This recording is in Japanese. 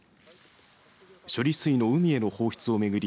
処理水の海への放出を巡り